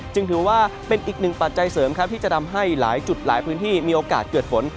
ถือว่าเป็นอีกหนึ่งปัจจัยเสริมครับที่จะทำให้หลายจุดหลายพื้นที่มีโอกาสเกิดฝน